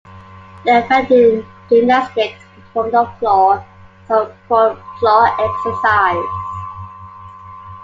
The event in gymnastics performed on floor is called floor exercise.